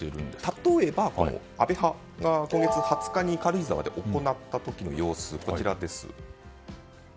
例えば、安倍派が今月２０日に軽井沢で行った時の様子です。